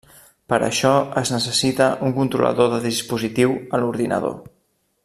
Per a això es necessita un controlador de dispositiu a l'ordinador.